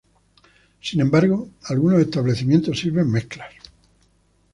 Sin embargo, algunos establecimientos sirven mezclas.